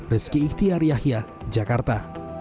rizky ihtiar yahya jakarta